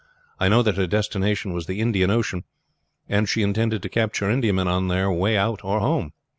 I know that her destination was the Indian Ocean, and she intended to capture Indiamen on their way out or home."